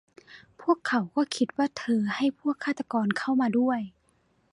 พวกเขาก็คิดว่าเธอให้พวกฆาตกรเข้ามาด้วย